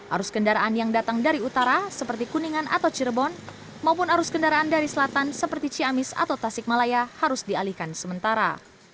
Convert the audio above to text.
arus kendaraan yang datang dari utara seperti kuningan atau cirebon maupun arus kendaraan dari selatan seperti ciamis atau tasikmalaya harus dialihkan sementara